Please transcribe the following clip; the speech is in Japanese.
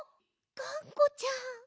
がんこちゃん。